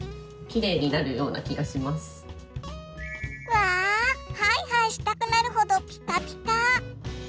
わあハイハイしたくなるほどピカピカ！